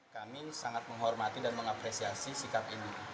kami sangat menghormati dan mengapresiasi sikap mui